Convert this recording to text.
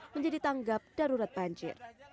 menjadi tanggap darurat banjir